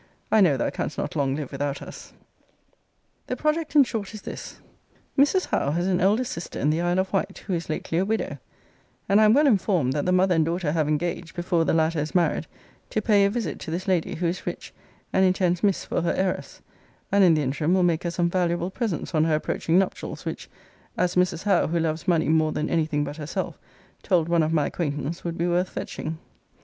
I know thou canst not long live without us. The project, in short, is this: Mrs. Howe has an elder sister in the Isle of Wight, who is lately a widow; and I am well informed, that the mother and daughter have engaged, before the latter is married, to pay a visit to this lady, who is rich, and intends Miss for her heiress; and in the interim will make her some valuable presents on her approaching nuptials; which, as Mrs. Howe, who loves money more than any thing but herself, told one of my acquaintance, would be worth fetching.